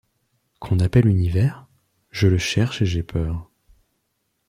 Qu’on appelle univers ? Je le cherche et j’ai peur.